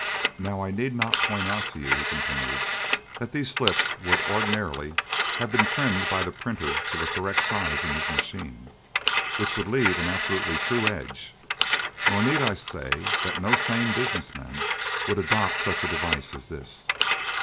"Now I need not point out to you," he continued, "that these slips would, ordinarily, have been trimmed by the printer to the correct size in his machine, which would leave an absolutely true edge; nor need I say that no sane business man would adopt such a device as this.